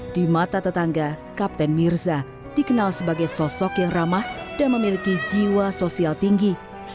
di mata tetangga kapten mirza dikenal sebagai sosok yang ramah dan memiliki jiwa sosial tinggi